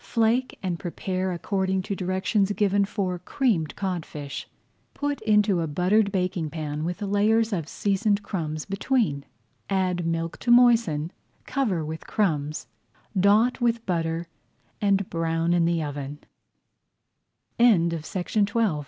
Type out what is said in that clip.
Flake and prepare according to directions given for Creamed Codfish. Put into a buttered baking pan with layers of seasoned crumbs between, add milk to moisten, cover with crumbs, dot with butter, and brown in the